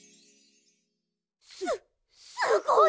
すすごい。